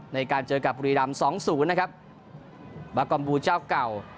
ในการเจอกับบุรีรำสองศูนย์นะครับบากอมบูเจ้าเก่า